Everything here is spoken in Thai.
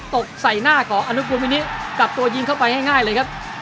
ตกใส่หน้าของอนุกูลมินิกลับตัวยิงเข้าไปง่ายเลยครับ